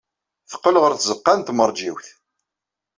Teqqel ɣer tzeɣɣa n tmeṛjiwt.